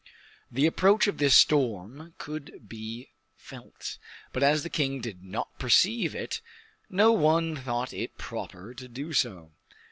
The approach of the storm could be felt, but as the king did not perceive it, no one thought it proper to do so.